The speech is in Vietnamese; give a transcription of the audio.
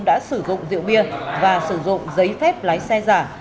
đã sử dụng rượu bia và sử dụng giấy phép lái xe giả